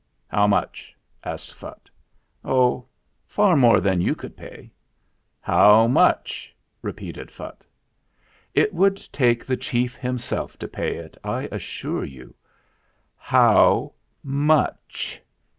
"How much?" asked Phutt. "Oh, far more than you could pay." "How much ?" repeated Phutt. "It would take the chief himself to pay it, I assure you." "How much?"